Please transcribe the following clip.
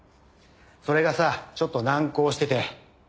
それがさちょっと難航してて。